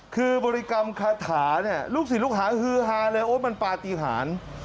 คือบริกรรมคาถาเนี่ยลูกศิษย์ลูกหาฮือฮาเลยโอ๊ยมันปฏิหาร